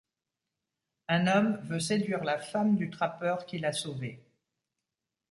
Un homme veut séduire la femme du trappeur qui l'a sauvé.